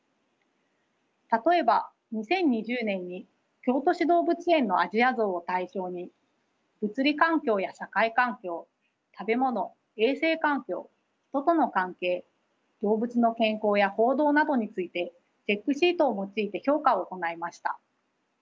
たとえば２０２０年に京都市動物園のアジアゾウを対象に物理環境や社会環境食べ物衛生環境人との関係動物の健康や行動などについてチェックシートを用いて評価を行いました。